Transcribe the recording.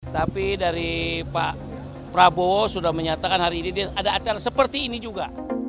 tapi dari pak prabowo sudah menyatakan hari ini ada acara seperti ini juga